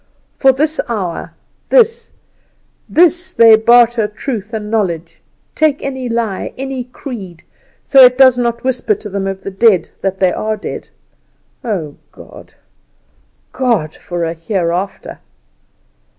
For this hour this, this they barter truth and knowledge, take any lie, any creed, so it does not whisper to them of the dead that they are dead! Oh, God! for a Hereafter!"